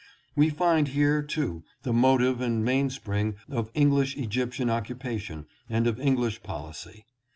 We find here, too, the motive and mainspring of English Egyp tian occupation and of English policy.